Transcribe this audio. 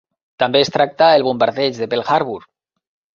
També es tracta el bombardeig de Pearl Harbor.